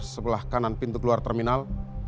sebelah kanan pintu keluar terminal